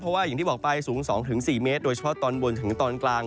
เพราะว่าอย่างที่บอกไปสูง๒๔เมตรโดยเฉพาะตอนบนถึงตอนกลาง